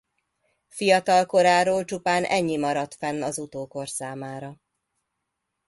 Fiatalkoráról csupán ennyi maradt fenn az utókor számára.